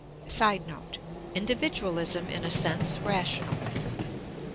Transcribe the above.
[Sidenote: Individualism in a sense rational.